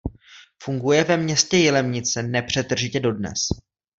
Funguje ve městě Jilemnice nepřetržitě dodnes.